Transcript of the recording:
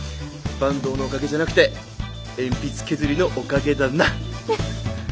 坂東のおかげじゃなくて鉛筆削りのおかげだな。